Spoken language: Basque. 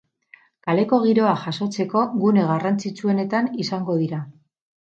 Kaleko giroa jasotzeko gune garrantzitsuenetan izango dira.